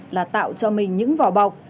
là tạo cho mình những vỏ bọc